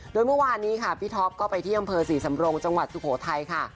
โดยเมื่อวานนี้ค่ะพี่ท็อปก็ไปที่อำเภอศรีสำรงจังหวัดสุโขทัยค่ะ